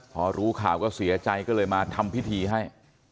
พอรู้ข่าวก็เสียใจก็เลยมาทำพิธีให้